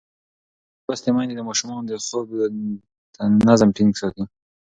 ښوونځې لوستې میندې د ماشومانو د خوب نظم ټینګ ساتي.